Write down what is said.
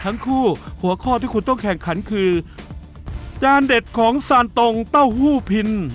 ทั้งคู่หัวข้อที่คุณต้องแข่งขันคือจานเด็ดของซานตรงเต้าหู้พิน